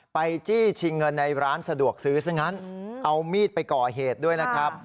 จี้ชิงเงินในร้านสะดวกซื้อซะงั้นเอามีดไปก่อเหตุด้วยนะครับ